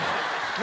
何？